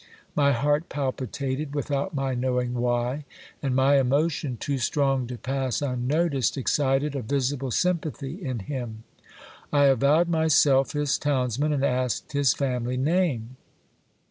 My heart palpitated, without my knowing why ; and my emotion, too strong to pass unnoticed, ex cited a visible sympathy in him. I avowed myself his townsman, and asked his family name.